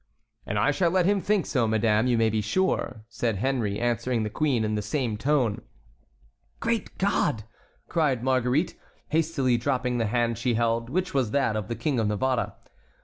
"And I shall let him think so, madame, you may be sure," said Henry, answering the queen in the same tone. "Great God!" cried Marguerite, hastily dropping the hand she held, which was that of the King of Navarre.